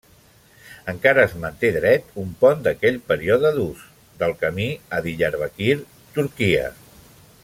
Encara es manté dret un pont d'aquell període d'ús del camí a Diyarbakir, Turquia.